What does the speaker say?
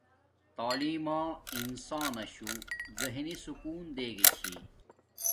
تعیلم ما انسان ناشو زہنی سکون دے گی چھی